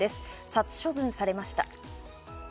殺処分されました。